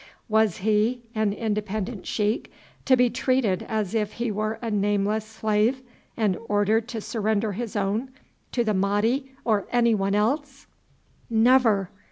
Was he, an independent sheik, to be treated as if he were a nameless slave, and ordered to surrender his own to the Mahdi or anyone else? Never!